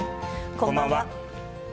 こんばんは。